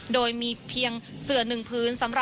โดยมีเพียงเสือหนึ่งพื้น